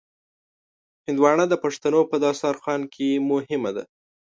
هندوانه د پښتنو په دسترخوان کې مهمه ده.